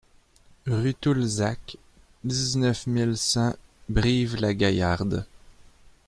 Rue Toulzac, dix-neuf mille cent Brive-la-Gaillarde